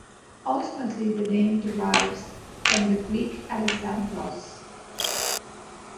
Ultimately the name derives from the Greek Alexandros.